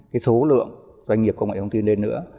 cái số lượng doanh nghiệp công nghệ thông tin lên nữa